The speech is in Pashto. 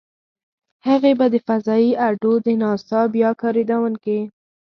هغې به د فضايي اډو - د ناسا بیا کارېدونکې.